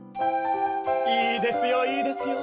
いいですよいいですよ。